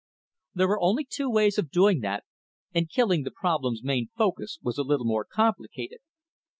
There were only two ways of doing that, and killing the problem's main focus was a little more complicated.